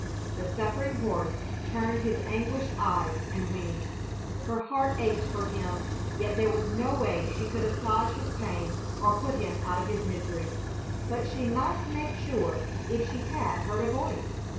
The suffering horse turned his anguished eyes and whinnied. Her heart ached for him, yet there was no way she could assuage his pain or put him out of his misery. But she must make sure if she had heard a voice.